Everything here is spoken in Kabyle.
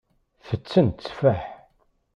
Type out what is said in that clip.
Tetten tteffaḥ.